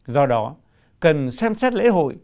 do đó cần xem xét lễ hội